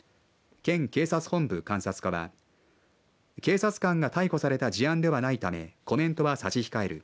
県警察本部監察課は警察官が逮捕された事案ではないためコメントは差し控える。